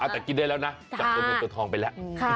แต่กินได้แล้วนะจับตัวเงินตัวทองไปแล้ว